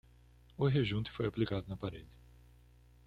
O rejunte foi aplicado na parede